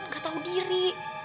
gak tahu diri